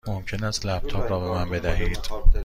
ممکن است لپ تاپ را به من بدهید؟